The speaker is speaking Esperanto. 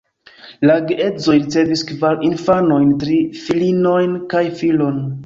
La geedzoj ricevis kvar infanojn: tri filinojn kaj filon.